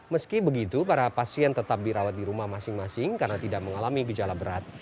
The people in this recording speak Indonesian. meski begitu para pasien tetap dirawat di rumah masing masing karena tidak mengalami gejala berat